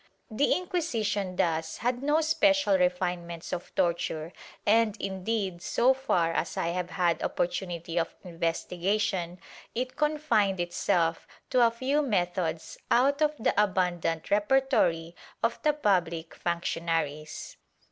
The Inquisition thus had no special refinements of torture and indeed, so far as I have had oppor tunity of investigation, it confined itself to a few methods out of the abundant repertory of the pubhc functionaries.